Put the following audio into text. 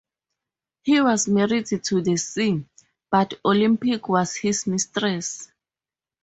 He was married to the sea, but Olympic was his mistress.